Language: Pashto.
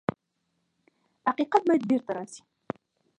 حقیقت باید بېرته راشي.